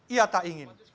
ia tak ingin